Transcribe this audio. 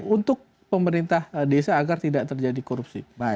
untuk pemerintah desa agar tidak terjadi korupsi